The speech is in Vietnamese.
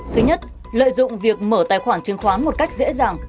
thứ nhất lợi dụng việc mở tài khoản chứng khoán một cách dễ dàng